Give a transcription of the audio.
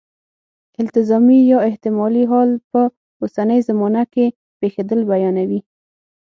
التزامي یا احتمالي حال په اوسنۍ زمانه کې پېښېدل بیانوي.